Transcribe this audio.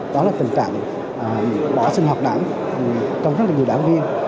đó là tình trạng bỏ sinh hoạt đảng còn rất là nhiều đảng viên